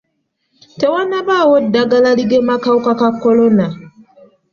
Tewannabaawo ddagala ligema kawuka ka kolona